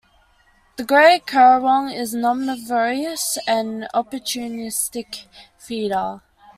The grey currawong is an omnivorous and opportunistic feeder.